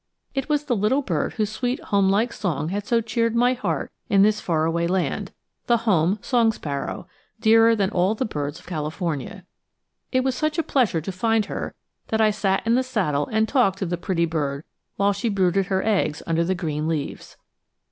It was the little bird whose sweet home like song had so cheered my heart in this far away land, the home song sparrow, dearer than all the birds of California. It was such a pleasure to find her that I sat in the saddle and talked to the pretty bird while she brooded her eggs under the green leaves.